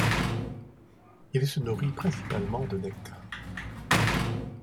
Il se nourrit principalement de nectar.